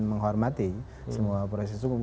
menghormati semua proses hukum